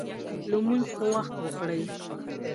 لمونځ په وخت وکړئ